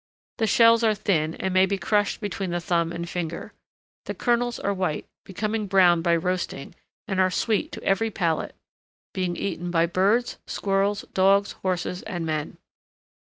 The shells are thin and may be crushed between the thumb and finger. The kernels are white, becoming brown by roasting, and are sweet to every palate, being eaten by birds, squirrels, dogs, horses, and men.